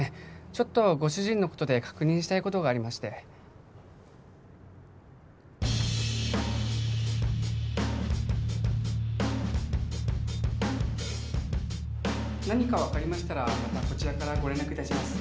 ちょっとご主人のことで確認したいことがありまして何か分かりましたらまたこちらからご連絡いたします